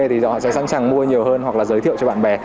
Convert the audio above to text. thì họ sẽ sẵn sàng mua nhiều hơn hoặc là giới thiệu cho bạn bè